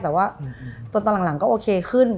แต่ว่าตอนหลังก็โอเคขึ้น